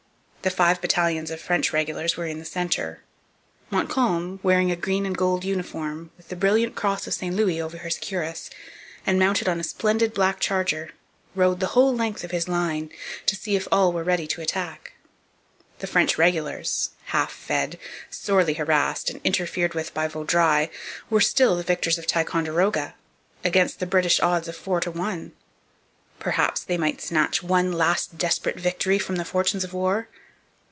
The five battalions of French regulars were in the centre. Montcalm, wearing a green and gold uniform, with the brilliant cross of St Louis over his cuirass, and mounted on a splendid black charger, rode the whole length of his line, to see if all were ready to attack. The French regulars half fed, sorely harassed, interfered with by Vaudreuil were still the victors of Ticonderoga, against the British odds of four to one. Perhaps they might snatch one last desperate victory from the fortunes of war?